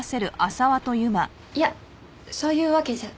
いやそういうわけじゃ。